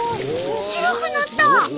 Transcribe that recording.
白くなった！